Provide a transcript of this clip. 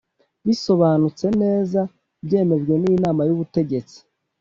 bisobanutse neza byemejwe n inama y ubutegetsi